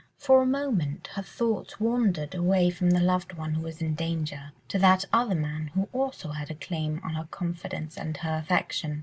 For a moment her thoughts wandered away from the loved one who was in danger, to that other man who also had a claim on her confidence and her affection.